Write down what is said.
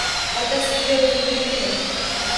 Ota, sizga o‘zi nima kerak